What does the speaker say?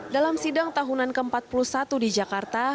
dalam sidang tahunan ke empat puluh satu di jakarta